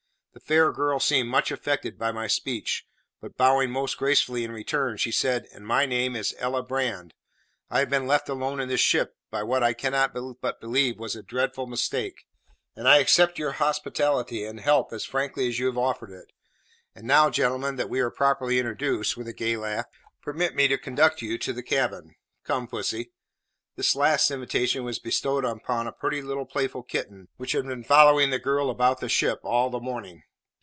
The fair girl seemed much affected by my speech, but bowing most gracefully in return, she said, "And my name is Ella Brand. I have been left alone in this ship by what I cannot but believe was a dreadful mistake, and I accept your hospitality and help as frankly as you have offered it. And now, gentlemen, that we are properly introduced," with a gay laugh, "permit me to conduct you to the cabin. Come, pussy." This last invitation was bestowed upon a pretty little playful kitten which had been following the girl about the ship all the morning.